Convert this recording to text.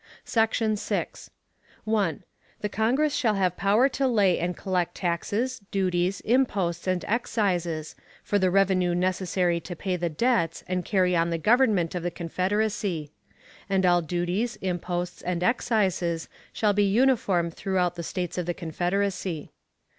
Section 6. 1. The Congress shall have power to lay and collect taxes, duties, imposts, and excises, for the revenue necessary to pay the debts and carry on the Government of the Confederacy; and all duties, imposts, and excises shall be uniform throughout the States of the Confederacy.